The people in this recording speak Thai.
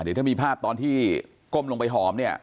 เดี๋ยวถ้ามีภาพตอนที่ก้มลงไปหอมเนี่ย